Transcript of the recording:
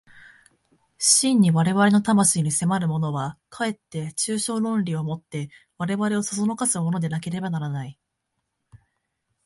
真に我々の魂に迫るものは、かえって抽象論理を以て我々を唆すものでなければならない。